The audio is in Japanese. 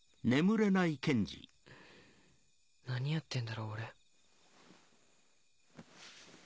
何やってんだろ俺。